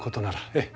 ええ。